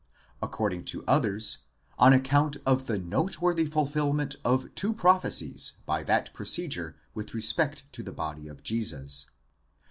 According to others, on ac count of the noteworthy fulfilment of two prophecies by that procedure with respect to the body of Jesus.